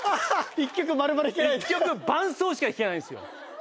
一曲伴奏しか弾けないんですよ。